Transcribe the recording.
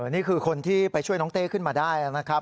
นี่คือคนที่ไปช่วยน้องเต้ขึ้นมาได้นะครับ